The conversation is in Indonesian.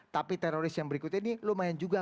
tapi teroris yang berikutnya ini lumayan juga